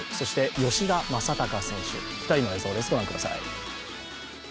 吉田正尚選手、２人の映像です、ご覧ください。